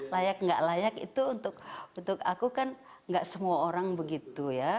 layak nggak layak itu untuk aku kan gak semua orang begitu ya